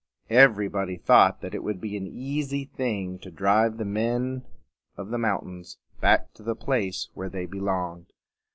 Everybody thought that it would be an easy thing to drive the men of the mountains back to the place where they belonged.